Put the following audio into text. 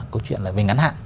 câu chuyện là về ngắn hạn